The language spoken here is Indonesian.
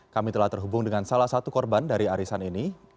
kami telah terhubung dengan salah satu korban dari arisan ini